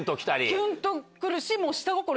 キュンと来るし。